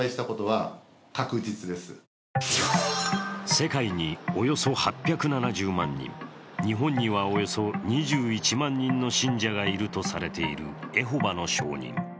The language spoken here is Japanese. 世界におよそ８７０万人、日本にはおよそ２１万人の信者がいるとされているエホバの証人。